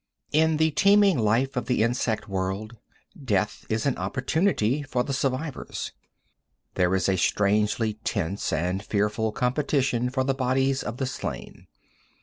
In the teeming life of the insect world death is an opportunity for the survivors. There is a strangely tense and fearful competition for the bodies of the slain.